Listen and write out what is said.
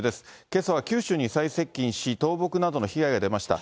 けさは九州に最接近し、倒木などの被害が出ました。